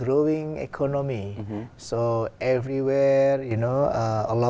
nhưng cũng mong chờ